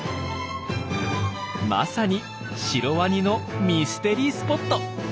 まさにシロワニのミステリースポット。